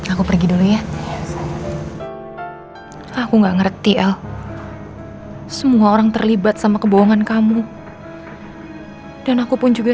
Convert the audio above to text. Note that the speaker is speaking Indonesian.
aku pergi dulu ya aku nggak ngerti el semua orang terlibat sama kebohongan kamu dan aku pun juga